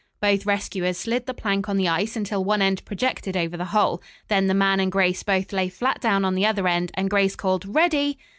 Both rescuers slid the plank on the ice until one end projected over the hole. Then the man and Grace both lay flat down on the other end and Grace called "ready."